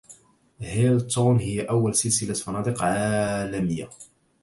هيلتون هي أول سلسلة فنادق عالمية.